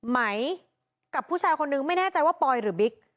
ไหมกับผู้ชายคนนึงไม่แน่ใจว่าปอยหรือบิ๊ก